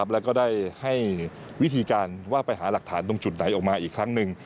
แล้วก็ได้ให้วิธีการว่าไปหาหลักฐานตรงจุดไหนออกมาอีกครั้งหนึ่ง